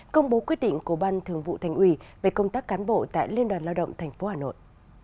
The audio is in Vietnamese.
công bố quyết định của ban thường vụ thành ủy về công tác cán bộ tại liên đoàn lao động tp hà nội